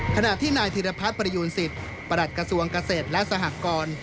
ขณะที่นายธิรพัฒน์ประยูนสิทธิ์ประหลัดกระทรวงเกษตรและสหกร